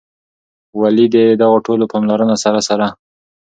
ولي د دغو ټولو پاملرونو سره سره